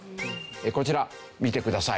こちら見てください。